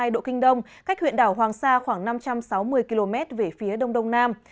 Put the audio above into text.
một trăm một mươi bảy hai độ kinh đông cách huyện đảo hoàng sa khoảng năm trăm sáu mươi km về phía đông đông nam